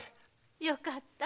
よかった。